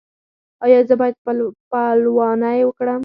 ایا زه باید پلوانی وکړم؟